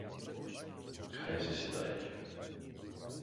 Хай засідають.